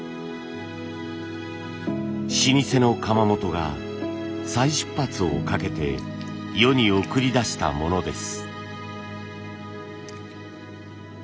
老舗の窯元が再出発をかけて世に送り出したものです。